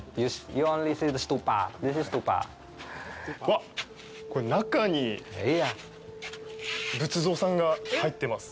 わっ、これ中に仏像さんが入ってます。